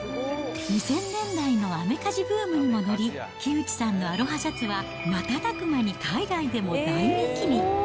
２０００年代のアメカジブームにも乗り、木内さんのアロハシャツは瞬く間に海外でも大人気に。